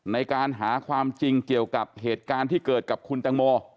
ในการหาความจริงเกี่ยวกับเหตุการณ์ที่เกิดกับคุณตังโม